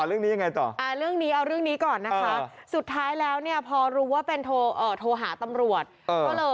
เอาเรื่องนี้ก่อนนะคะสุดท้ายแล้วพอรู้ว่าเป็นโทรหาตำรวจ